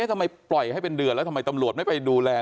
ทำไมปล่อยให้เป็นเดือนแล้วทำไมตำรวจไม่ไปดูแล